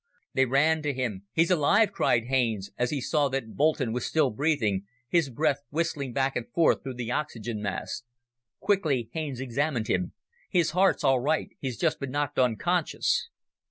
They ran to him. "He's alive!" cried Haines, as he saw that Boulton was still breathing, his breath whistling back and forth through the oxygen mask. Quickly Haines examined him. "His heart's all right. He's just been knocked unconscious."